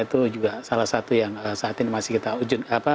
itu juga salah satu yang saat ini masih kita wujudkan